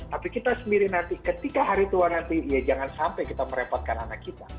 tapi kita sendiri nanti ketika hari tua nanti ya jangan sampai kita merepotkan anak kita